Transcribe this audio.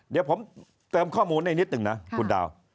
เดี๋ยวผมเติมข้อมูลให้นิดหนึ่งนะคุณดาว